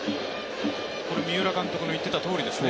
三浦監督の言っていたとおりですね。